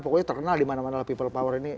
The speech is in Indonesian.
pokoknya terkenal di mana mana people power ini